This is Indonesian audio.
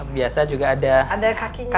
biasa juga ada kakinya